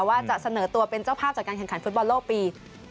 ว่าจะเสนอตัวเป็นเจ้าภาพจัดการแข่งขันฟุตบอลโลกปี๒๐